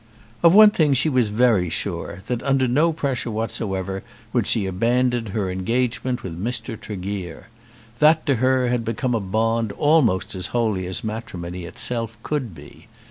Of one thing she was very sure, that under no pressure whatsoever would she abandon her engagement with Mr. Tregear. That to her had become a bond almost as holy as matrimony itself could be.